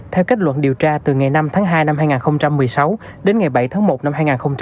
theo kết luận điều tra từ ngày năm tháng hai năm hai nghìn một mươi sáu đến ngày bảy tháng một năm hai nghìn hai mươi